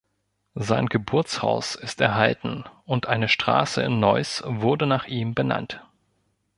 Sein Geburtshaus ist erhalten und eine Straße in Neuss wurde nach ihm benannt.